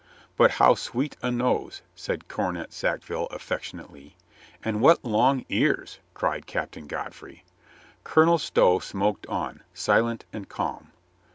"But how sweet a nose," said Cornet Sackville af fectionately. "And what long ears," cried Captain Godfrey. Colonel Stow smoked on, silent and calm.